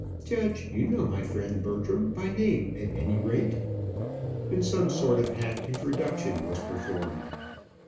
Judge, you know my friend Bertram, by name, at any rate?" and some sort of half introduction was performed.